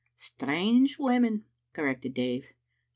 "Strange women," corrected Dave.